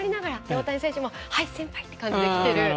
大谷選手もはい、先輩！という感じできてる。